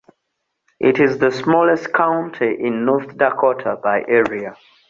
It is the smallest county in North Dakota by area.